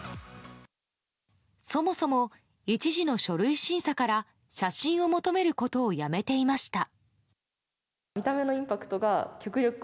そもそも、１次の書類審査から写真を求めることをやめていました。